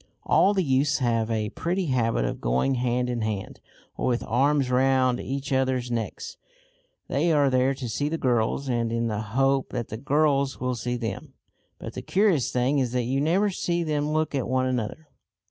All the youths have a pretty habit of going hand in hand, or with arms round each other's necks. They are there to see the girls, and in the hope that the girls will see them. But the curious thing is that you never see them look at one another.